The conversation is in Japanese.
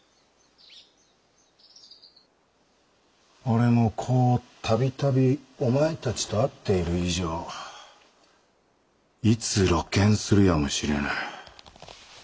俺もこう度々お前たちと会っている以上いつ露見するやもしれぬ。